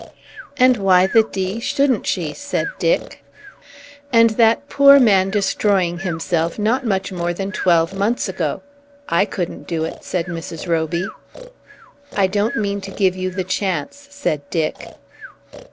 "And why the d shouldn't she?" said Dick. "And that poor man destroying himself not much more than twelve months ago! I couldn't do it," said Mrs. Roby. "I don't mean to give you the chance," said Dick.